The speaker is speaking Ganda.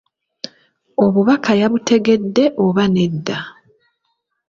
Obubaka yabutegedde oba nedda?